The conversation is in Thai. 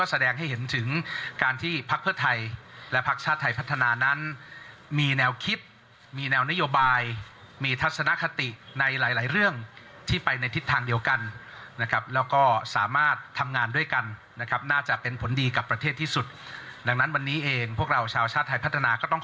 ทั้งภักดิ์เพื่อไทยที่ได้ส่งเทียบเชิญมาในเช้าของปุลกราศาสนีัด